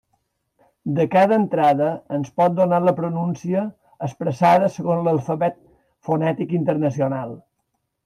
De cada entrada ens pot donar la pronúncia expressada segons l'alfabet fonètic internacional.